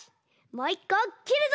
もう１こきるぞ！